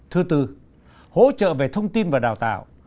thứ tư hỗ trợ về thông tin và đào tạo